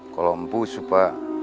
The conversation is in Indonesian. kalau empu supa